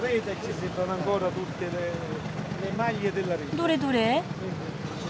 どれどれ。